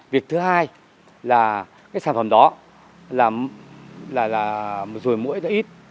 việc thứ hai là cái sản phẩm đó là rùi mũi nó ít